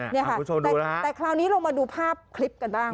นี่ค่ะแต่คราวนี้เรามาดูภาพคลิปกันบ้าง